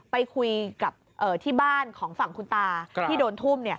ไปคุยกับที่บ้านของฝั่งคุณตาที่โดนทุ่ม